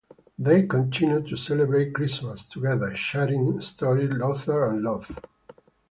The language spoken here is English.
They continued to celebrate Christmas together, sharing stories, laughter, and love.